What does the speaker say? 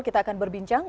kita akan berbincang